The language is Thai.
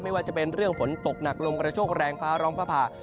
ไม่ว่าจะเป็นเรื่องฝนตกหนักลมกระโชคแรงฟ้าร้องฟ้าผ่า